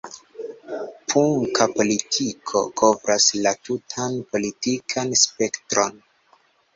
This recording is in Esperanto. Punka politiko kovras la tutan politikan spektron.